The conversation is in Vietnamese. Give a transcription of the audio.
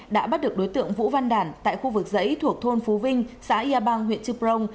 đã bắt được đối tượng vũ văn đản tại khu vực dãy thuộc thôn phú vinh xã yà bang huyện trư prong